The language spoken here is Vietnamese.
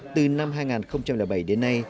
từ năm hai nghìn bảy đến nay